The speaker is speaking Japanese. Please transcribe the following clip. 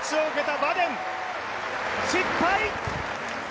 失敗！